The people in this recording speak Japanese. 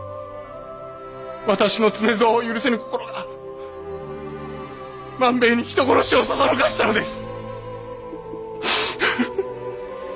私の常蔵を許せぬ心が万兵衛に人殺しをそそのかしたのです！